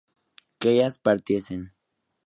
que ellas partiesen